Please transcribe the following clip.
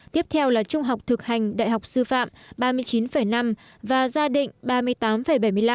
tiếp theo là trung học thực hành đại học sư phạm ba mươi chín năm và gia định ba mươi tám bảy mươi năm